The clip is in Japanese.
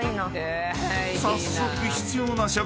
［早速］